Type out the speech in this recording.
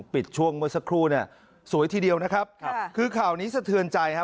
ปิดช่วงเมื่อสักครู่น่ะสวยทีเดียวนะครับคือข่าวนี้สะเทือนใจครับ